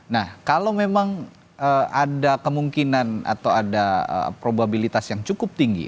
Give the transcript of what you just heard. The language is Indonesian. nah kalau memang ada kemungkinan atau ada probabilitas yang cukup tinggi